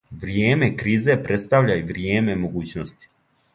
Вријеме кризе представља и вријеме могућности.